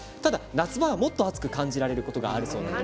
夏場はもう少し熱く感じることがあるそうです。